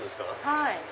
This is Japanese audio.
はい。